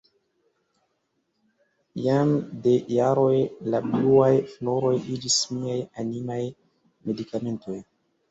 Jam de jaroj la bluaj floroj iĝis miaj animaj medikamentoj.